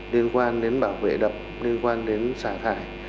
liên quan đến bảo vệ đập liên quan đến xả thải